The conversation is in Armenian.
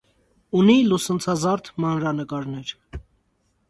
Ունի լուսնցազարդ մանրանկարներ։